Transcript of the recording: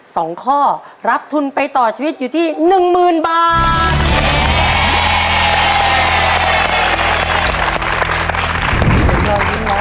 สองข้อรับทุนไปต่อชีวิตอยู่ที่หนึ่งหมื่นบาท